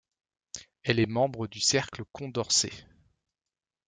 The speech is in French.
Elle est membre du cercle Condorcet.